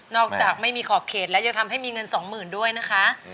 นอกจากไม่มีขอบเขตและจะทำให้มีเงินสองหมื่นด้วยนะค่ะ